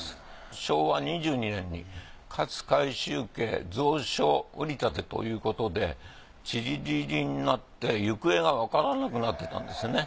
昭和２２年に勝海舟家蔵書売り立てということでちりぢりになって行方がわからなくなってたんですよね。